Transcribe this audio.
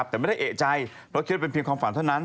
แต่ไม่ได้เอกใจเพราะคิดเป็นเพียงความฝันเท่านั้น